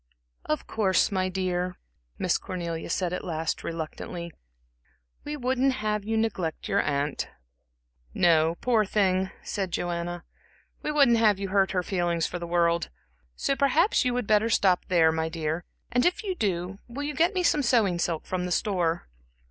"Of course, my dear," Miss Cornelia said at last, reluctantly, "we wouldn't have you neglect your aunt." "No, poor thing," said Joanna "we wouldn't have you hurt her feelings for the world. So perhaps you would better stop there, my dear; and if you do, will you get me some sewing silk from the store?"